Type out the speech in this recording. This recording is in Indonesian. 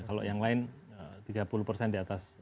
kalau yang lain tiga puluh persen di atas